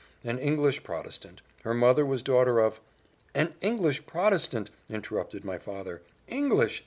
"An English Protestant: her mother was daughter of " "An English Protestant!" interrupted my father, "English!